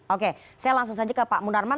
oke saya langsung saja ke pak munarman